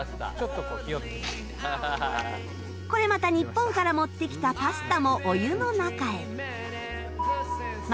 これまた日本から持ってきたパスタもお湯の中へ。